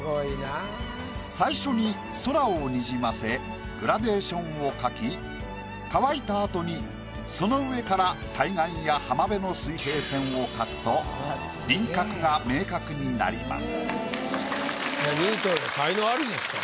最初に空をにじませグラデーションを描き乾いたあとにその上から対岸や浜辺の水平線を描くと２位とはいえ才能アリですから。